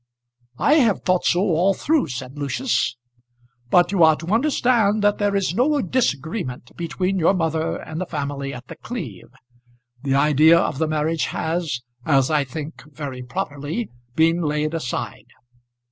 "I have thought so all through," said Lucius. "But you are to understand that there is no disagreement between your mother and the family at The Cleeve. The idea of the marriage has, as I think very properly, been laid aside."